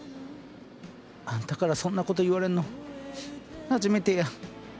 あんたからそんなこと言われんの初めてや。